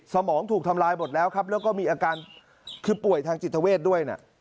สมองถูกทำลายหมดแล้วครับแล้วก็มีอาการคือป่วยทางจิตเวทด้วยนะ